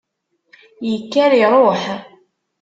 Yekker iruḥ.